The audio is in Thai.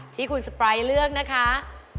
ที่คุณสไปร์เลือกนะคะ